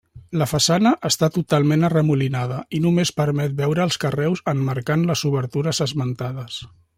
La façana està totalment arremolinada i només permet veure els carreus emmarcant les obertures esmentades.